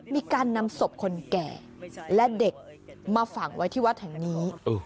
มีการนำศพคนแก่และเด็กมาฝังไว้ที่วัดแห่งนี้